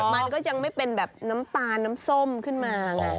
มันก็ยังไม่เป็นแบบน้ำตาลน้ำส้มขึ้นมาไง